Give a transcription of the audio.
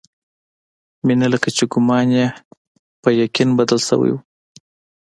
مينه لکه چې ګومان يې پر يقين بدل شوی و.